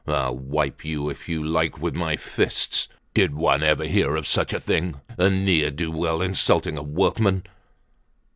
I'll wipe you if you like with my fists. Did one ever hear of such a thing—a ne'er do well insulting a workman!"